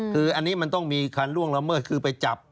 คืออันนี้มันต้องมีการล่วงละเมิดคือไปจับ